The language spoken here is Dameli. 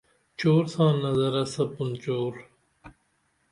چور ساں نظرہ سپُن چور